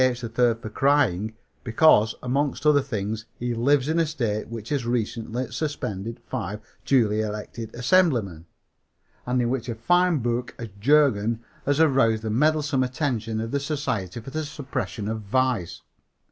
3rd for crying, because among other things, he 'lives in a state which has recently suspended five duly elected assemblymen, and in which as fine a book as Jurgen has aroused the meddlesome attention of the Society for the Suppression of Vice.'